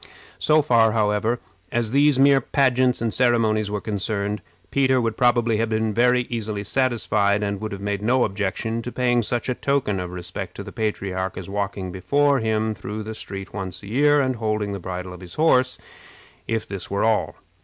So far, however, as these mere pageants and ceremonies were concerned, Peter would probably have been very easily satisfied, and would have made no objection to paying such a token of respect to the patriarch as walking before him through the street once a year, and holding the bridle of his horse, if this were all.